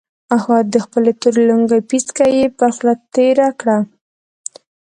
د خپلې تورې لونګۍ پيڅکه يې پر خوله تېره کړه.